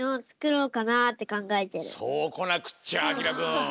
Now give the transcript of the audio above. そうこなくっちゃあきらくん。